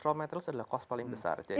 raw materials adalah cost paling besar